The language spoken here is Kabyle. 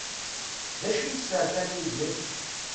D acu i yesserfan Yidir?